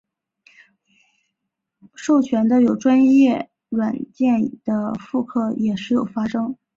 授权的专有软件的复刻也时有发生。